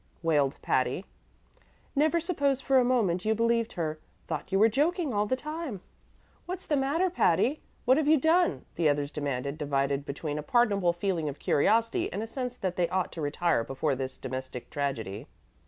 wailed Patty. "Never supposed for a moment you believed her. Thought you were joking all the time." "What's the matter, Patty? What have you done?" the others demanded, divided between a pardonable feeling of curiosity and a sense that they ought to retire before this domestic tragedy.